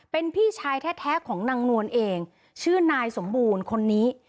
เป็นพี่ชายแท้ของนางนวลเองชื่อนายสมบูรณ์คนนี้